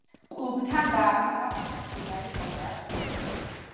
კლუბთან გააფორმა ხუთწლიანი კონტრაქტი.